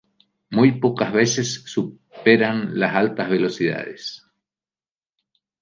Muy pocas veces superan las altas velocidades.